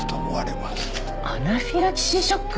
アナフィラキシーショック？